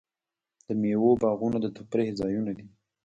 د میوو باغونه د تفریح ځایونه دي.